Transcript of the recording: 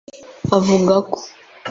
avuga ko